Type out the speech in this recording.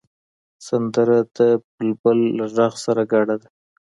سندره د بلبله له غږ سره ګډه ده